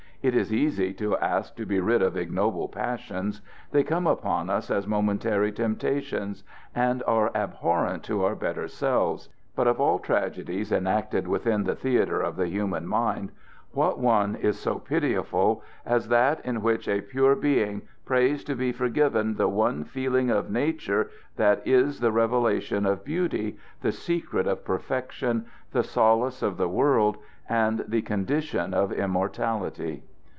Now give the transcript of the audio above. It is easy to ask to be rid of ignoble passions. They come upon us as momentary temptations and are abhorrent to our better selves; but of all tragedies enacted within the theatre of the human mind what one is so pitiable as that in which a pure being prays to be forgiven the one feeling of nature that is the revelation of beauty, the secret of perfection, the solace of the world, and the condition of immortality?